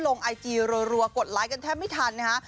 ไอจีรัวกดไลค์กันแทบไม่ทันนะฮะ